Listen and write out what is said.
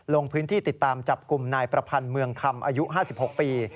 ลงพื้นที่ติดตามจับกลุ่มนายประพันธ์เมืองคำอายุ๕๖ปี